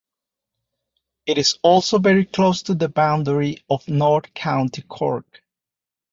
It is also very close to the boundary of north County Cork.